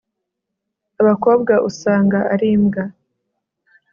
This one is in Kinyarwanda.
abakobwa usanga ari imbwa